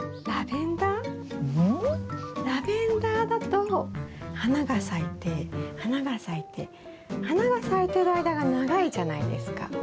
ラベンダーだと花が咲いて花が咲いて花が咲いてる間が長いじゃないですか。